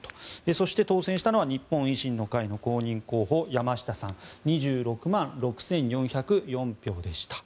そして、当選したのは日本維新の会の公認候補の山下さん２６万６４０４票でした。